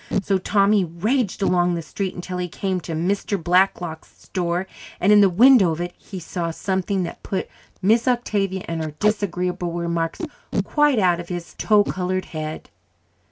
So Tommy raged along the street until he came to Mr. Blacklock's store, and in the window of it he saw something that put Miss Octavia and her disagreeable remarks quite out of his tow coloured head.